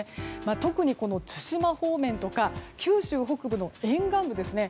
特に対馬方面とか九州北部の沿岸部ですね。